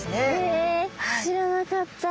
へえ知らなかった。